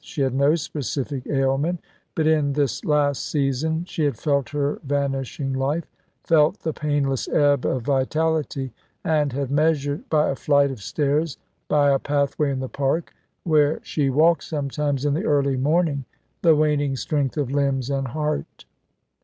She had no specific ailment, but in this last season she had felt her vanishing life, felt the painless ebb of vitality, and had measured, by a flight of stairs, by a pathway in the Park, where she walked sometimes in the early morning, the waning strength of limbs and heart.